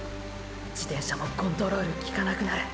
自転車もコントロール効かなくなる。